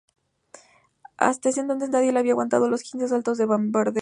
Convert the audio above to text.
Hasta ese entonces nadie le había aguantado los quince asaltos al ""Bombardero"".